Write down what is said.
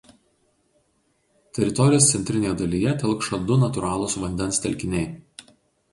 Teritorijos centrinėje dalyje telkšo du natūralūs vandens telkiniai.